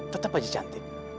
tetap aja cantik